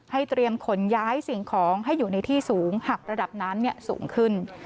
เตรียมขนย้ายสิ่งของให้อยู่ในที่สูงหากระดับน้ำสูงขึ้น